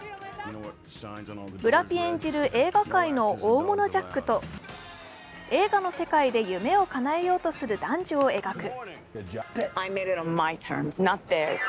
ブラピ演じる映画界の大物ジャックと映画の世界で夢をかなえようとする男女を描く。